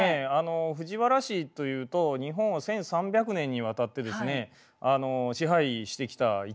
藤原氏というと日本を１，３００年にわたって支配してきた一族ですね。